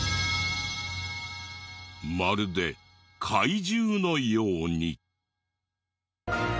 まるで怪獣のように。